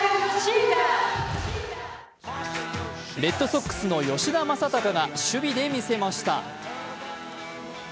レッドソックスの吉田正尚が守備でみせました。